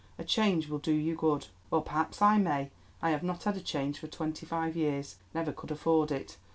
A change will do you good." "Well, perhaps I may. I have not had a change for twenty five years. Never could afford it.